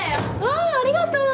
わぁありがとう！